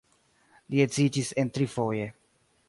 Li edziĝis en trifoje.